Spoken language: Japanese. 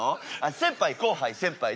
先輩後輩先輩です